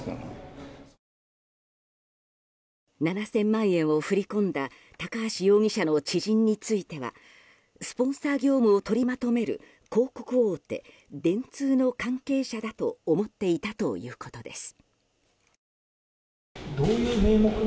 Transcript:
７０００万円を振り込んだ高橋容疑者の知人についてはスポンサー業務を取りまとめる広告大手・電通の関係者だと思っていたということです。